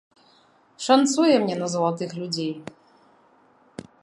Шанцуе мне на залатых людзей.